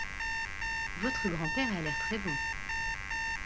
Votre grand-père a l’air très bon!